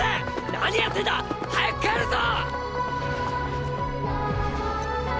何やってんだ早く帰るぞ！！